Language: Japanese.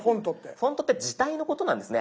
フォントって字体のことなんですね。